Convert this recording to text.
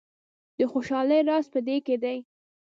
د خوشحالۍ راز په دې کې دی.